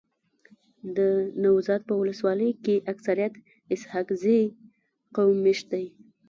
دنوزاد په ولسوالۍ کي اکثريت اسحق زی قوم میشت دی.